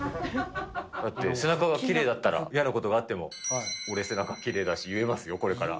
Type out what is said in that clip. だって背中がきれいだったら、嫌なことがあっても、俺、背中きれいだし言えますよ、これから。